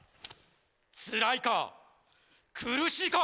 つらいか？